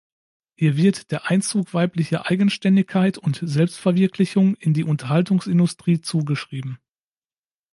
Ihr wird der Einzug weiblicher Eigenständigkeit und Selbstverwirklichung in die Unterhaltungsindustrie zugeschrieben.